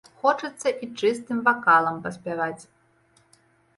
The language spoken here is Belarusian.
Хочацца і чыстым вакалам паспяваць.